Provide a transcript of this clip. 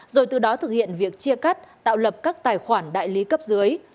rồi từ đó thực hiện việc chia cắt tạo lập các tài khoản đại lý cấp dưới